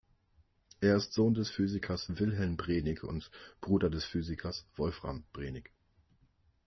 Er ist Sohn des Physikers Wilhelm Brenig und Bruder des Physikers Wolfram Brenig.